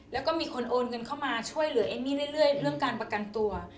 แล้วก็มีคนโอนเงินเข้ามาช่วยเหลือเอมมี่เรื่อยเรื่องการประกันตัว